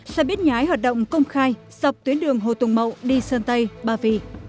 xe buýt nhái hoạt động công khai dọc tuyến đường hồ tùng mậu đi sơn tây ba vị